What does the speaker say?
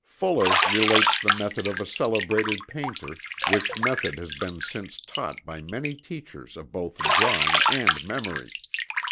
Fuller relates the method of a celebrated painter, which method has been since taught by many teachers of both drawing and memory.